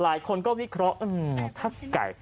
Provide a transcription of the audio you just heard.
หลายคนก็วิเคราะห์ถ้าไก่